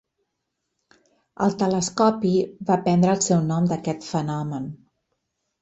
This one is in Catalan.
El telescopi va prendre el seu nom d'aquest fenomen.